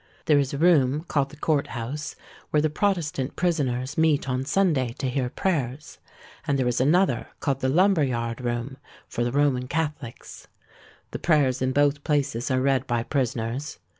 There is a room, called the Court House, where the Protestant prisoners meet on Sunday to hear prayers; and there is another, called the Lumber Yard room, for the Roman Catholics. The prayers in both places are read by prisoners.